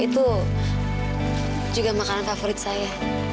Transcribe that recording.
itu juga makanan favorit saya